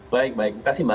baik baik terima kasih mbak